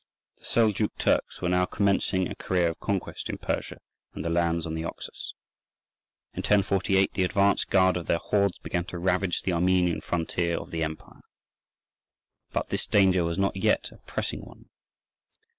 The Seljouk Turks were now commencing a career of conquest in Persia and the lands on the Oxus. In 1048 the advance guard of their hordes began to ravage the Armenian frontier of the empire. But this danger was not yet a pressing one.